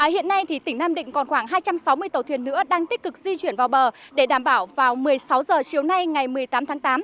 hiện nay tỉnh nam định còn khoảng hai trăm sáu mươi tàu thuyền nữa đang tích cực di chuyển vào bờ để đảm bảo vào một mươi sáu h chiều nay ngày một mươi tám tháng tám